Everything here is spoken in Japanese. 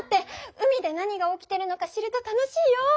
海で何が起きてるのか知ると楽しいよ！